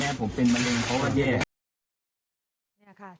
แม่ผมเป็นมะเร็งเพราะว่าแย่